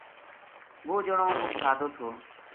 وہ جنو مچ سادو تھو